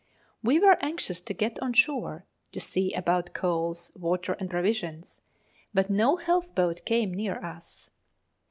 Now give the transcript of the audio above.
We were anxious to get on shore to see about coals, water, and provisions, but no health boat came near us.